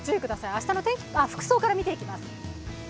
明日の服装から見ていきます。